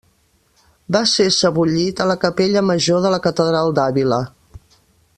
Va ser sebollit a la capella major de la catedral d'Àvila.